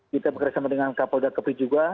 kita bekerjasama dengan kapolda kepri juga